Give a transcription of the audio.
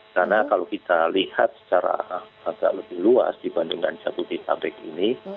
karena kalau kita lihat secara agak lebih luas dibandingkan jabodetabek ini